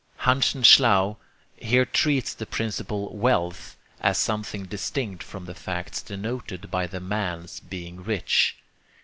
Hanschen Schlau here treats the principle 'wealth' as something distinct from the facts denoted by the man's being rich.